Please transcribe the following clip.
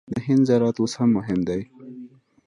د هند زراعت اوس هم مهم دی.